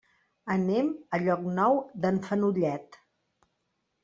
Anem a Llocnou d'en Fenollet.